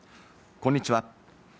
こんにちは。